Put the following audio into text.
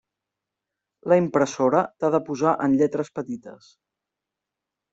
La impressora t'ha de posar en lletres petites.